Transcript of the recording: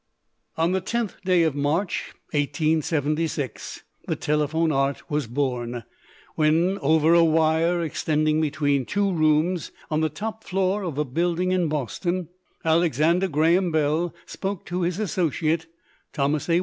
On the tenth day of March, 1876, the telephone art was born, when, over a wire extending between two rooms on the top floor of a building in Boston, Alexander Graham Bell spoke to his associate, Thomas A.